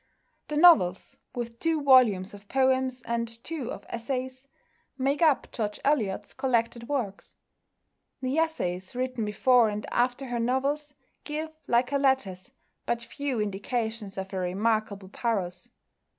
The novels, with two volumes of poems and two of essays, make up George Eliot's collected works. The essays written before and after her novels give, like her letters, but few indications of her remarkable powers.